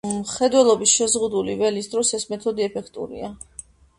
მხედველობის შეზღუდული ველის დროს ეს მეთოდი ეფექტურია.